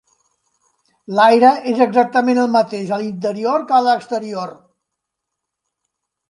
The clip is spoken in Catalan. L'aire és exactament el mateix a l'interior que a l'exterior.